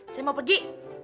saya mau pergi